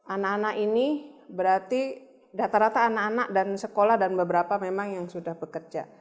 anak anak ini berarti rata rata anak anak dan sekolah dan beberapa memang yang sudah bekerja